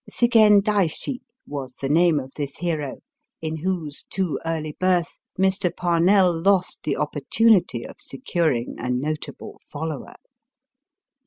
Zigendaishi was the name of this hero, in whose too early birth Mr. Parnell lost the opportunity of securing a notable follower.